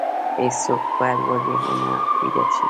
هیڅوک باید وږی ونه ویده شي.